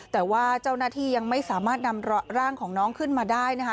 แต่ว่าเจ้าหน้าที่ยังไม่สามารถนำร่างของน้องขึ้นมาได้นะคะ